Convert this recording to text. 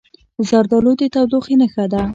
زردالو د تودوخې نښه ده.